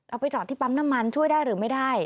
เอาไปจอดที่ปั๊มน้ำมันช่วยได้หรือไม่ได้